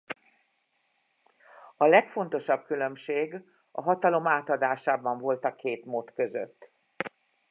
A legfontosabb különbség a hatalom átadásában volt a két mód között.